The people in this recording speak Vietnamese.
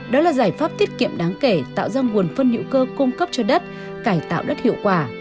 đó là giải pháp tiết kiệm đáng kể tạo ra nguồn phân hữu cơ cung cấp cho đất cải tạo đất hiệu quả